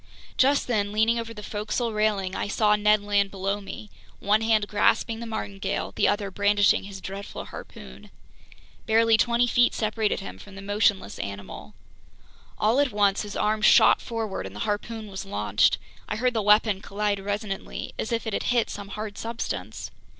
Just then, leaning over the forecastle railing, I saw Ned Land below me, one hand grasping the martingale, the other brandishing his dreadful harpoon. Barely twenty feet separated him from the motionless animal. All at once his arm shot forward and the harpoon was launched. I heard the weapon collide resonantly, as if it had hit some hard substance.